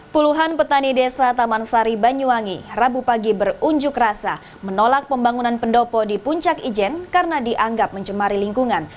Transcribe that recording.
puluhan petani desa taman sari banyuwangi rabu pagi berunjuk rasa menolak pembangunan pendopo di puncak ijen karena dianggap mencemari lingkungan